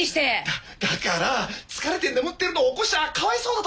だだから疲れて眠ってるのを起こしちゃかわいそうだと思ったんだよ。